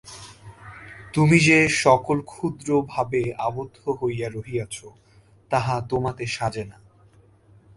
তুমি যে-সকল ক্ষুদ্র ভাবে আবদ্ধ হইয়া রহিয়াছ, তাহা তোমাতে সাজে না।